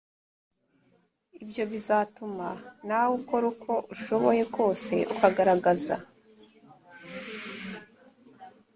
ibyo bizatuma nawe ukora uko ushoboye kose ukagaragaza